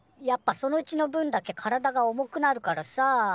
やっぱその血の分だけ体が重くなるからさ。